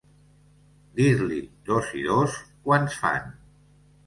Dir-li dos i dos quants fan.